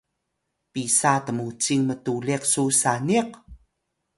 pisa tmucing mtuliq su saniq?